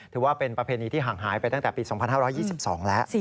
ถือว่าเป็นประเพณีที่ห่างหายไปตั้งแต่ปี๒๕๒๒แล้ว